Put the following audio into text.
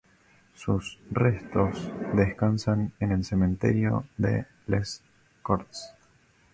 Sus restos descansan el cementerio de Les Corts.